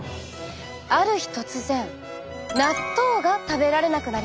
ある日突然納豆が食べられなくなりました。